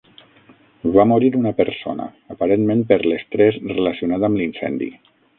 Va morir una persona, aparentment per l'estrès relacionat amb l'incendi.